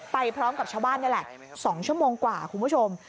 ไปพร้อมกับชาวบ้านนี่แหละ๒ชั่วโมงกว่าคุณผู้ชม